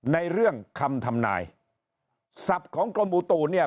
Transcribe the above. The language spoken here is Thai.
ในเรื่องคำทำนายศัพท์ของกรมอุตุเนี่ย